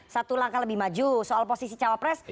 satu langkah lebih maju soal posisi cawapres